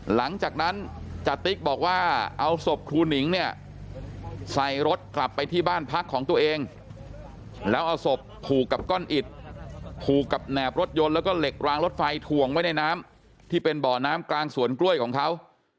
หลังจากนั้นจติ๊กบอกว่าเอาศพครูหนิงเนี่ยใส่รถกลับไปที่บ้านพักของตัวเองแล้วเอาศพผูกกับก้อนอิดผูกกับแหนบรถยนต์แล้วก็เหล็กรางรถไฟถ่วงไว้ในน้ำที่เป็นบ่อน้ำกลางสวนกล้วยของเขา